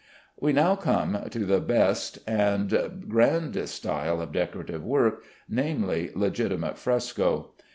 We now come to the best and grandest style of decorative work; namely, legitimate fresco.